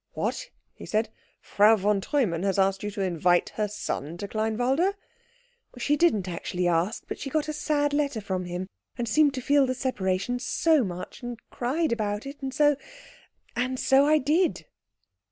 "What," he said, "Frau von Treumann has asked you to invite her son to Kleinwalde?" "She didn't actually ask, but she got a sad letter from him, and seemed to feel the separation so much, and cried about it, and so and so I did."